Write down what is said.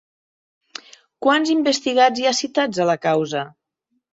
Quants investigats hi ha citats a la causa?